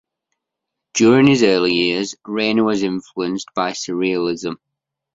During his early years, Rainer was influenced by Surrealism.